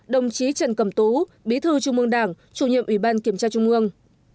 hai mươi bốn đồng chí trần cầm tú bí thư trung mương đảng chủ nhiệm ủy ban kiểm tra trung mương